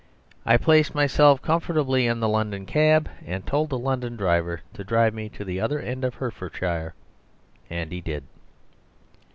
I placed myself comfortably in the London cab and told the London driver to drive me to the other end of Hertfordshire. And he did.